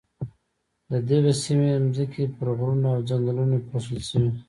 د دغې سیمې ځمکې پر غرونو او ځنګلونو پوښل شوې.